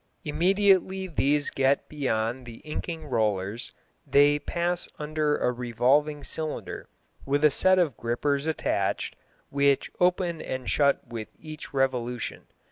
Immediately these get beyond the inking rollers they pass under a revolving cylinder with a set of grippers attached, which open and shut with each revolution.